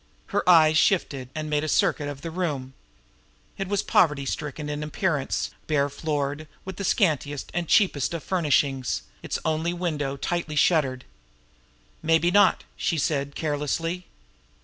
Her eyes shifted and made a circuit of the room. It was poverty stricken in appearance, bare floored, with the scantiest and cheapest of furnishings, its one window tightly shuttered. "Maybe not," she said carelessly.